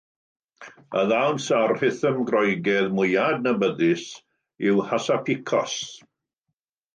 Y ddawns a'r rhythm Groegaidd mwyaf adnabyddus yw hasapicos.